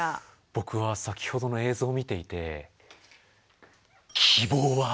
僕は先ほどの映像を見ていてあ。